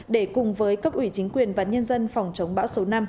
để cùng với cấp ủy chính quyền và nhân dân phòng chống bão số năm